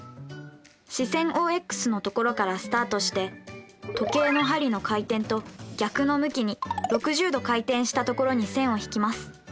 始線ＯＸの所からスタートして時計の針の回転と逆の向きに６０°回転した所に線を引きます。